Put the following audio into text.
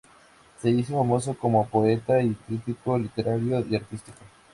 Se hizo famoso como poeta y crítico literario y artístico.